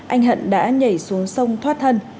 anh hận đã nhảy xuống sông thoát thân